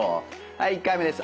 はい１回目です